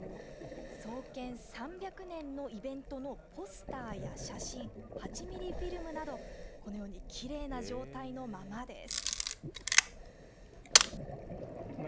創建３００年のイベントのポスターや写真８ミリフィルムなどこのようにきれいな状態のままです。